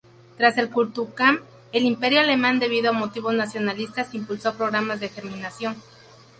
Tras el Kulturkampf, el Imperio alemán, debido a motivos nacionalistas impulsó programas de germanización.